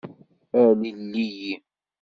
Alel-iyi.